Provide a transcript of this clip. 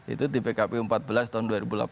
itu di pkpu empat belas tahun dua ribu delapan belas